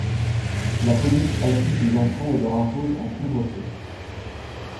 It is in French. La police accuse les enfants et leur impose un couvre-feu.